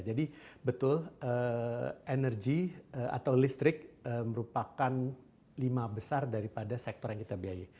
jadi betul energi atau listrik merupakan lima besar daripada sektor yang kita biayai